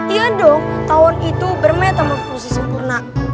iya dong tawon itu bermeta morfosi sempurna